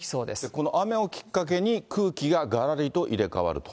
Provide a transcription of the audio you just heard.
この雨をきっかけに空気ががらりと入れ替わると。